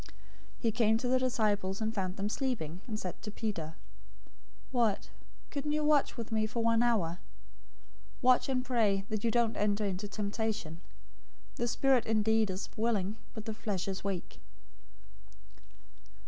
026:040 He came to the disciples, and found them sleeping, and said to Peter, "What, couldn't you watch with me for one hour? 026:041 Watch and pray, that you don't enter into temptation. The spirit indeed is willing, but the flesh is weak."